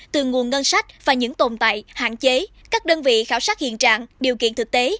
từ nguồn ngân sách và những tồn tại hạn chế các đơn vị khảo sát hiện trạng điều kiện thực tế